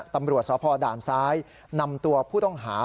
ตำรวจสพด่านซ้ายนำตัวผู้ต้องหา